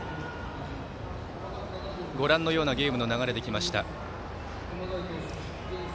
ご覧のようなゲームの流れできました。